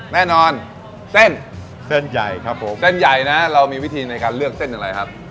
แน่นอนเส้นเส้นใหญ่ครับผมเส้นใหญ่นะเรามีวิธีในการเลือกเส้นอย่างไรครับ